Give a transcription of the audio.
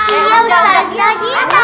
dia ustazah kita